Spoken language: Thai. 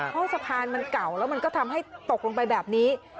เพราะสะพานมันเก่าแล้วมันก็ทำให้ตกลงไปแบบนี้